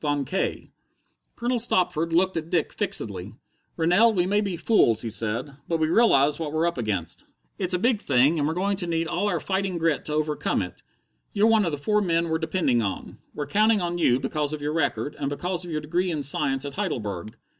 Von K.'" Colonel Stopford looked at Dick fixedly. "Rennell, we may be fools," he said, "but we realize what we're up against. It's a big thing, and we're going to need all our fighting grit to overcome it. You're one of the four men we're depending on. We're counting on you because of your record, and because of your degree in science at Heidelberg.